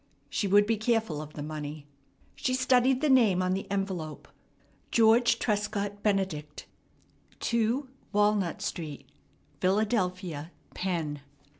She would be careful of the money. She studied the name on the envelope. George Trescott Benedict, 2 Walnut Street, Philadelphia, Penn.